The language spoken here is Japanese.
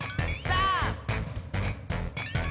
さあ！